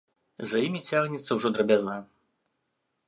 За імі цягнецца ўжо драбяза.